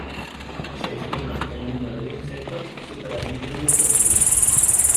Se estima que el número de insectos supera el millón de especies.